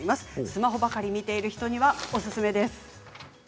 スマホばかり見ている人には特におすすめです。